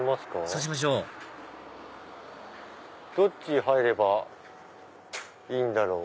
そうしましょうどっち入ればいいんだろう？